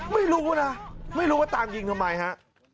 ไม่รู้นะไม่รู้ว่าตามยิงทำไมฮะ